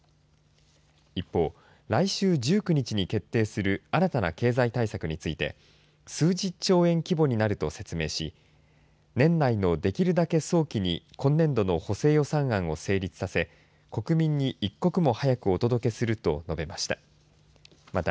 一方、来週１９日に決定する新たな経済対策について数十兆円規模になると説明し年内のできるだけ早期に今年度の補正予算を成立させ国民に一刻も早くお届けすると述べました。